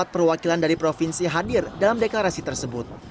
empat perwakilan dari provinsi hadir dalam deklarasi tersebut